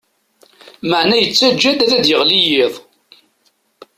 Maɛna yettaggad ad d-yeɣli yiḍ.